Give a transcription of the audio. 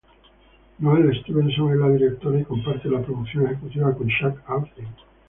Noelle Stevenson es la directora y comparte la producción ejecutiva con Chuck Austen.